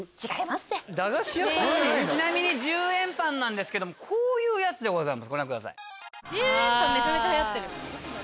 ちなみに１０円パンですけどもこういうやつでございます。